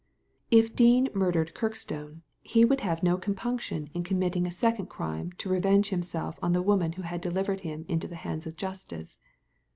If Dean murdered Kirkstone he would have no compunction in committing a second crime to revenge himself on the woman who had delivered him into the hands of Justice.